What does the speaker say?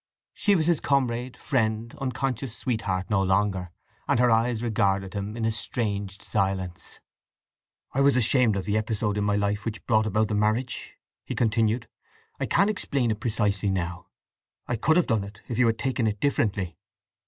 She was his comrade, friend, unconscious sweetheart no longer; and her eyes regarded him in estranged silence. "I was ashamed of the episode in my life which brought about the marriage," he continued. "I can't explain it precisely now. I could have done it if you had taken it differently!"